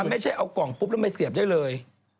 ไม่ใช่เอากล่องปุ๊บแล้วมาเสียบได้เลย